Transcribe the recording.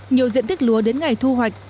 nhiều diện tích lúa đến ngày thu hoạch